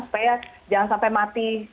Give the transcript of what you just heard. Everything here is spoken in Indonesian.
supaya jangan sampai mati